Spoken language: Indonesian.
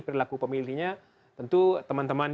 perilaku pemilihnya tentu teman teman